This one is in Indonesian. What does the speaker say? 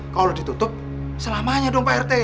kalau ditutup selamanya dong pak rete